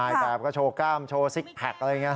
แบบก็โชว์กล้ามโชว์ซิกแพคอะไรอย่างนี้